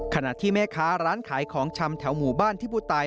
ขณะที่แม่ค้าร้านขายของชำแถวหมู่บ้านที่ผู้ตาย